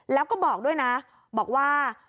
แล้วก็บอกด้วยนะบอกว่า